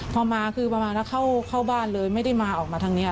พอมาคือประมาณว่าเข้าบ้านเลยไม่ได้มาออกมาทางนี้